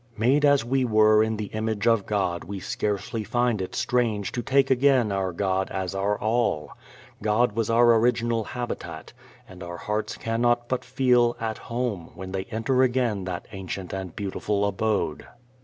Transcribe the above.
Made as we were in the image of God we scarcely find it strange to take again our God as our All. God was our original habitat and our hearts cannot but feel at home when they enter again that ancient and beautiful abode.